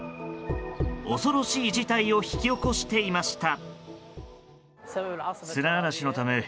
恐ろしい事態を引き起こしていました。